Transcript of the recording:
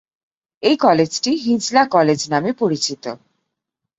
এই কলেজটি "হিজলা কলেজ" নামে পরিচিত।